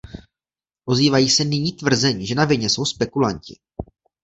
Ozývají se nyní tvrzení, že na vině jsou spekulanti.